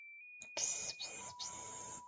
鸟媒花的花期也与蜂鸟的生殖季同期。